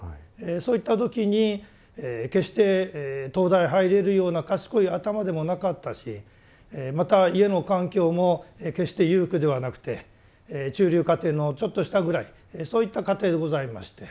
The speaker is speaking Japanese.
そういった時に決して東大入れるような賢い頭でもなかったしまた家の環境も決して裕福ではなくて中流家庭のちょっと下ぐらいそういった家庭でございまして。